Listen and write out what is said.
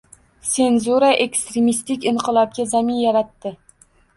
Senzura ekstremistik inqilobga zamin yaratdi.